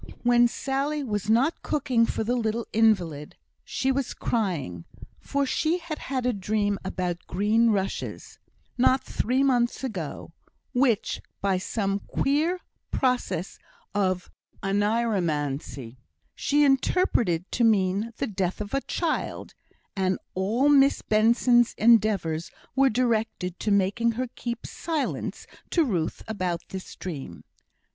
When Sally was not cooking for the little invalid, she was crying; for she had had a dream about green rushes, not three months ago, which, by some queer process of oneiromancy she interpreted to mean the death of a child; and all Miss Benson's endeavours were directed to making her keep silence to Ruth about this dream.